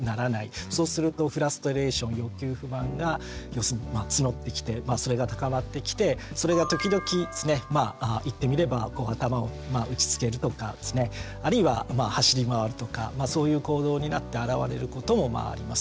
そうするとフラストレーション欲求不満が要するにつのってきてそれが高まってきてそれが時々ですねまあ言ってみれば頭を打ちつけるとかですねあるいは走り回るとかそういう行動になって現れることもまああります。